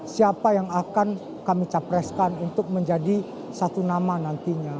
siapa yang akan kami capreskan untuk menjadi satu nama nantinya